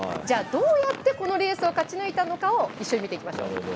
じゃあどうやってこのレースを勝ち抜いたのかを一緒に見ていきましょう。